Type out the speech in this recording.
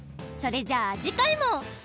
それじゃあじかいも。